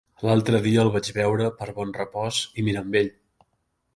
L'altre dia el vaig veure per Bonrepòs i Mirambell.